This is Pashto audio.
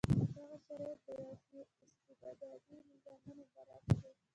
دغه شرایط د یو شمېر استبدادي نظامونو برعکس و.